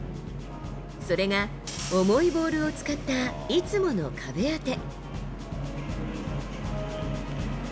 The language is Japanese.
それが、重いボールを使ったいつもの壁当て。